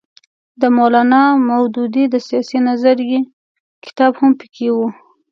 د مولانا مودودي د سیاسي نظریې کتاب هم پکې وو.